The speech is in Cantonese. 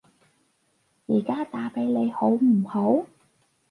而家打畀你好唔好？